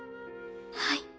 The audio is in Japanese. はい。